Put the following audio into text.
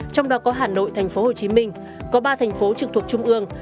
trong đó có hà nội tp hcm có ba thành phố trực thuộc trung ương